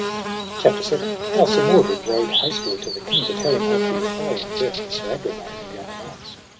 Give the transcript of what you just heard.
CHAPTER VII. How Sir Mordred rode hastily to the king, to tell him of the affray and death of Sir Agravaine and the other knights.